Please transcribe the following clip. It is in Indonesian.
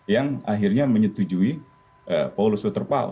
yang akhirnya menyetujui paulus waterpau